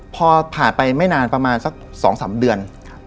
พอผ่านไปไม่นานประมาณสัก๒๓เดือน